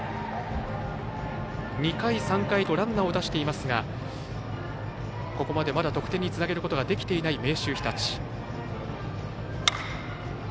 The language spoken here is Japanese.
２回、３回とランナーを出していますがここまでまだ得点につなげることができていない明秀日立。